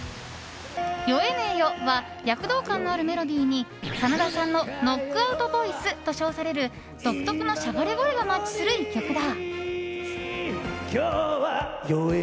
「酔えねぇよ！」は躍動感のあるメロディーに真田さんのノックアウトボイスと称される独特のしゃがれ声がマッチする１曲だ。